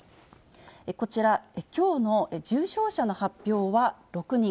こちら、きょうの重症者の発表は６人。